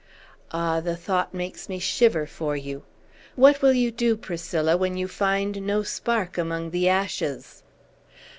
Ah, the thought makes me shiver for you! What will you do, Priscilla, when you find no spark among the ashes?"